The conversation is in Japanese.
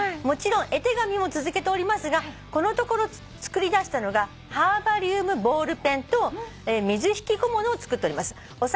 「もちろん絵手紙も続けておりますがこのところ作りだしたのがハーバリウムボールペンと水引小物を作っております」